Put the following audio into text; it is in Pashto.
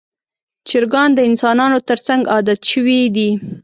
چرګان د انسانانو تر څنګ عادت شوي دي.